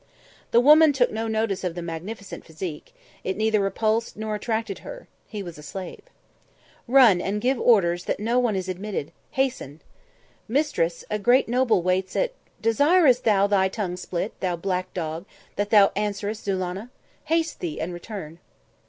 The woman, took no notice of the magnificent physique; it neither repulsed nor attracted her he was a slave. "Run and give orders that no one is admitted! Hasten!" "Mistress, a great noble waits at " "Desirest thou thy tongue split, thou black dog, that thou answerest Zulannah? Haste thee, and return!"